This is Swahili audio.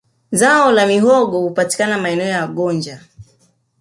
Zai la mihogo hupatikana maeneo ya gonja